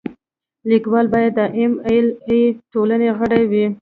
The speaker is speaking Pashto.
لیکوال باید د ایم ایل اې ټولنې غړی وي.